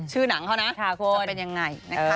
ชื่อหนังเขานะจะเป็นยังไงนะคะ